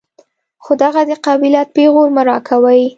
خو دغه د قبيلت پېغور مه راکوئ.